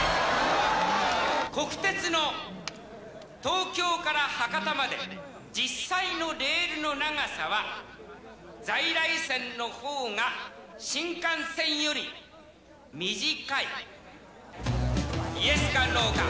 国鉄の東京から博多まで、実際のレールの長さは、在来線のほうが新幹線より短い。